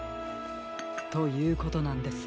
ということなんです。